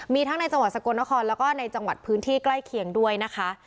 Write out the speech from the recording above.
มีทั้งในจังหวัดสกลนครแล้วก็ในจังหวัดพื้นที่ใกล้เคียงด้วยนะคะ